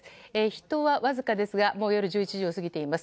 人はわずかですが夜１１時を過ぎています。